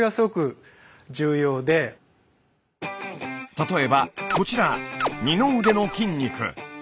例えばこちら二の腕の筋肉。